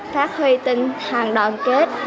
phát huy tinh thần đoàn kết